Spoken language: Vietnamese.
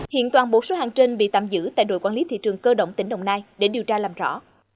hiện toàn bộ số hàng trên bị tạm giữ tại đội quản lý thị trường cơ động tỉnh đồng nai để điều tra làm rõ